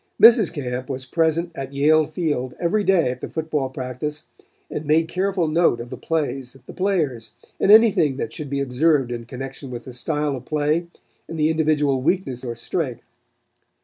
Mrs. Camp was present at Yale Field every day at the football practice and made careful note of the plays, the players and anything that should be observed in connection with the style of play and the individual weakness or strength.